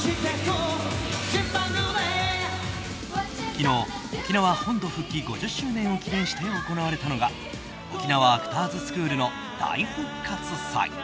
昨日、沖縄本土復帰５０周年を記念して行われたのが沖縄アクターズスクールの大復活祭。